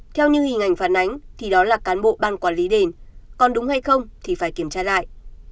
theo như hình ảnh phản ánh thì đó là cán bộ ban quản lý đền còn đúng hay không thì phải kiểm tra lại